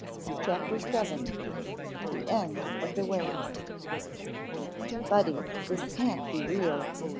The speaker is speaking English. CHAPTER VII. THE END OF THE WAY "Buddy, this can't be real.